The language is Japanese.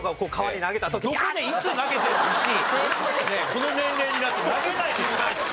この年齢になって投げないでしょ？